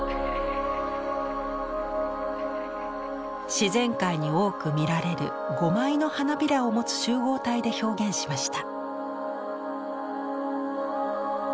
自然界に多く見られる５枚の花びらを持つ集合体で表現しました。